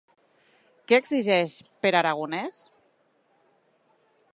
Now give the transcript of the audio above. Què exigeix Pere Aragonès?